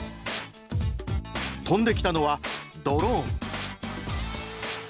飛んできたのはドローン。